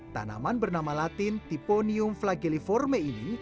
tanaman bernama latin tiponium flageliforme ini